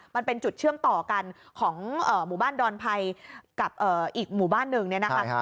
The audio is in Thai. มันเป็นจุดเชื่อมต่อกันของหมู่บ้านดอนไพรกับอีกหมู่บ้านหนึ่งเนี่ยนะคะ